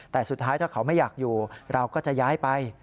แต่สุดท้ายถ้าเขาไม่อยากอยู่เราก็จะย้ายไป